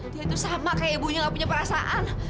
dia itu sama kayak ibunya gak punya perasaan